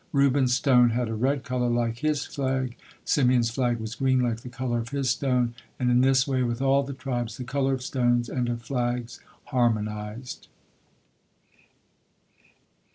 Reuben's stone had a red color like his flag, Simeon's flag was green like the color of his stone, and in this way with all the tribes the color of stones and of flags harmonized.